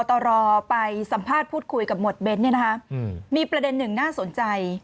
ตรไปสัมภาษณ์พูดคุยกับหมวดเบ้นเนี่ยนะคะมีประเด็นหนึ่งน่าสนใจ